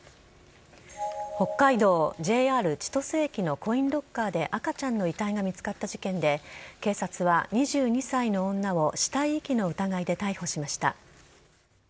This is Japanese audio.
北海道ＪＲ千歳駅のコインロッカーで赤ちゃんの遺体が見つかった事件で警察は２２歳の女を死体遺棄の疑いで逮捕しました。